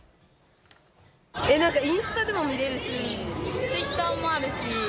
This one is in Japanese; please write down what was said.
インスタでも見れるし、ツイッターもあるし。